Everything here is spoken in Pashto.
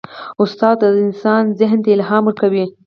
استاد د انسان ذهن ته الهام ورکوي.